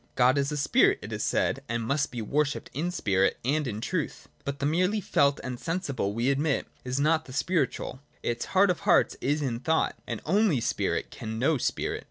God is a spirit, it is said, and must be worshipped in spirit and in truth. But the merely felt and sensible, we admit, is not the spiritual ; its heart of hearts is in thought ; and only spirit can know spirit.